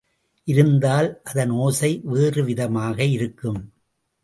இருந்தால் அதன் ஓசை வேறு விதமாக இருக்கும்.